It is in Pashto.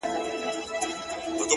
درته دعاوي هر ماښام كومه-